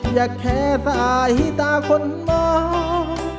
อย่าแค่สะอาดให้ตาคนมอง